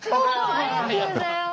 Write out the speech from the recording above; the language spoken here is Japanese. ありがとうございます。